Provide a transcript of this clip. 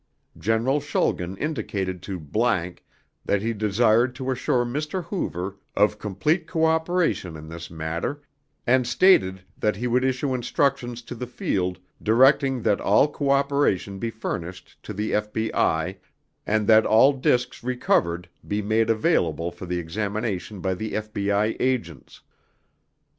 General Schulgen indicated to ____ that he desired to assure Mr. Hoover of complete cooperation in this matter and stated that he would issue instructions to the field directing that all cooperation be furnished to the FBI and that all discs recovered be made available for the examination by the FBI Agents.